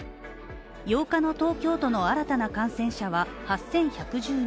８日の東京都の新たな感染者は８１１２人。